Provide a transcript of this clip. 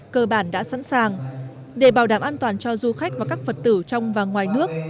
cơ bản đã sẵn sàng để bảo đảm an toàn cho du khách và các phật tử trong và ngoài nước